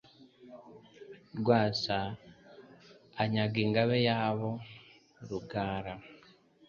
rwasa anyaga Ingabe yabo Rugara